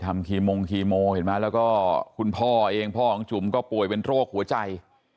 คีมงคีโมเห็นไหมแล้วก็คุณพ่อเองพ่อของจุ๋มก็ป่วยเป็นโรคหัวใจ